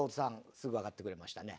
すぐわかってくれましたね。